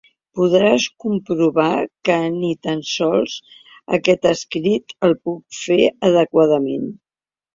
Podràs comprovar que ni tan sols aquest escrit el puc fer adequadament.